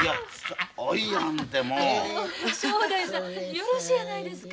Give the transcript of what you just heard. よろしやないですか。